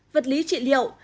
vật lý trị liệu